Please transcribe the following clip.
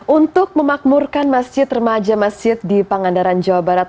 untuk memakmurkan masjid remaja masjid di pangandaran jawa barat